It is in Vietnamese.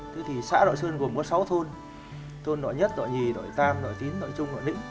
thế thì xã đoại sơn gồm có sáu thôn thôn đoại nhất đoại nhì đoại tam đoại tín đoại trung đoại đĩnh